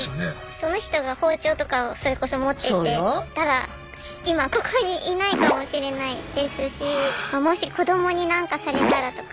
その人が包丁とかをそれこそ持ってたら今ここにいないかもしれないですしもし子どもに何かされたらとか。